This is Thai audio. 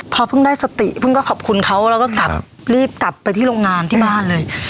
พอเพิ่งได้สติเพิ่งก็ขอบคุณเขาแล้วก็กลับรีบกลับไปที่โรงงานที่บ้านเลย